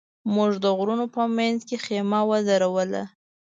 موږ د غرونو په منځ کې خېمه ودروله.